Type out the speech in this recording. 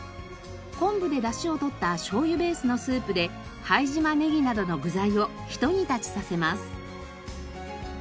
昆布でダシをとったしょうゆベースのスープで拝島ネギなどの具材を一煮立ちさせます。